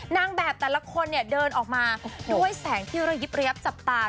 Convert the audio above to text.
นางแบบแต่ละคนเนี่ยเดินออกมาด้วยแสงที่ระยิบระยับจับตา